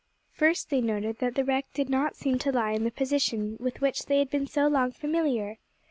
First, they noted that the wreck did not seem to lie in the position, with which they had been so long familiar.